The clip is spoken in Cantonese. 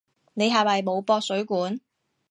你係咪冇駁水管？